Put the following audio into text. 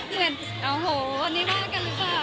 เหมือนโอ้โหอันนี้ว่ากันหรือเปล่า